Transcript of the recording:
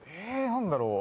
何だろう？